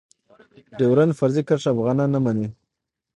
ډيورنډ فرضي کرښه افغانان نه منی.